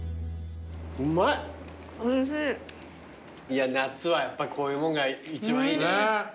いや夏はやっぱこういうもんが一番いいね。